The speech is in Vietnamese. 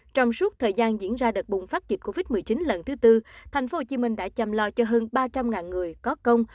trong suốt thời gian diễn ra đợt bùng phát dịch covid một mươi chín lần thứ tư thành phố hồ chí minh đã chăm lo cho hơn ba trăm linh người có công